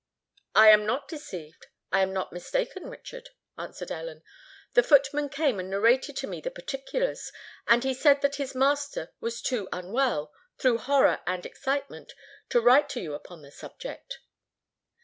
"I am not deceived—I am not mistaken, Richard," answered Ellen. "The footman came and narrated to me the particulars; and he said that his master was too unwell, through horror and excitement, to write to you upon the subject."